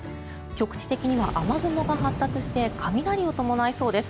局地的には雨雲が発達して雷を伴いそうです。